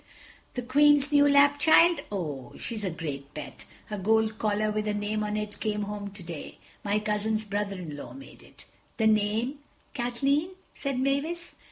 "The Queen's new lap child? Oh—she's a great pet—her gold collar with her name on it came home today. My cousin's brother in law made it." "The name—Kathleen?" said Mavis.